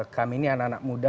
kami ini anak anak muda